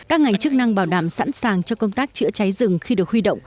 các ngành chức năng bảo đảm sẵn sàng cho công tác chữa cháy rừng khi được huy động